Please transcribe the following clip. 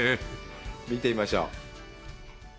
見てみましょう。